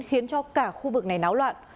khiến cho cả khu vực này náo loạn